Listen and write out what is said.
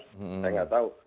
saya nggak tahu